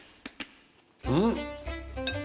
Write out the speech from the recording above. うん？